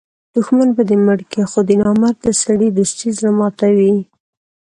دوښمن به دي مړ کي؛ خو د نامرده سړي دوستي زړه ماتوي.